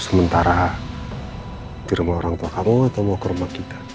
sementara ke rumah orang tua kamu atau mau ke rumah kita